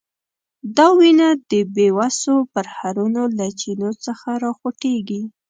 دا وینه د بیوسو پرهرونو له چینو څخه راخوټېږي.